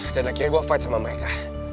akhirnya gue fight sama mereka